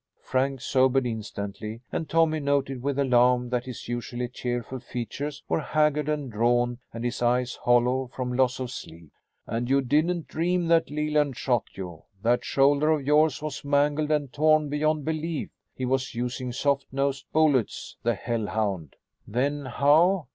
Frank sobered instantly, and Tommy noted with alarm that his usually cheerful features were haggard and drawn and his eyes hollow from loss of sleep. "And you didn't dream that Leland shot you. That shoulder of yours was mangled and torn beyond belief. He was using soft nosed bullets, the hell hound!" "Then how